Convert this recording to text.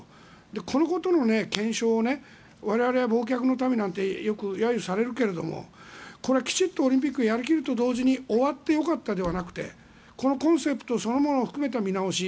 このことの検証を我々は忘却の民なんてよく揶揄されるけれどこれはきちんとオリンピックをやりきると同時に終わってよかったではなくてこのコンセプトそのものを見直し。